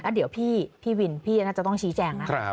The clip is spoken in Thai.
เดี๋ยวพี่วินพี่น่าจะต้องชี้แจงนะ